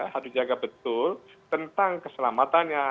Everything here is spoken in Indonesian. harus dijaga betul tentang keselamatannya